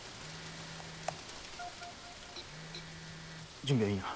準備はいいな？